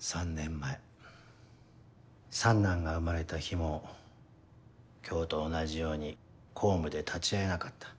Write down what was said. ３年前三男が生まれた日も今日と同じように公務で立ち会えなかった。